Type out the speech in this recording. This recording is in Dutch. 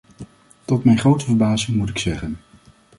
Tot mijn grote verbazing moet ik zeggen.